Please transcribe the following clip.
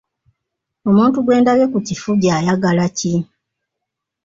Omuntu gwe ndabye ku kifugi ayagala ki?